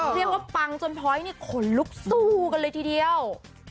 เรียกว่าปังจนพลอยขนลุกสู้กันเลยทีเดียว